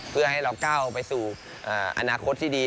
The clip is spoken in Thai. เพื่อให้เราก้าวไปสู่อนาคตที่ดี